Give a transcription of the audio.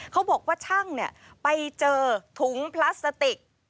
เขาบอกว่าช่างไปเจอถุงพลาสติก